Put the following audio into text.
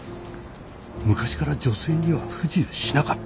昔から女性には不自由しなかった。